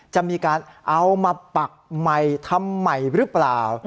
จะมีการเอามาปักใหม่ทำใหม่หรือเปล่า